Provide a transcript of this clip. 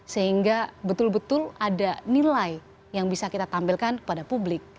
sehingga betul betul ada nilai yang bisa kita tampilkan kepada publik